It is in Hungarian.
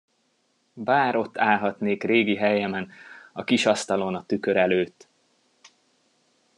Bár ott állhatnék régi helyemen, a kis asztalon a tükör előtt!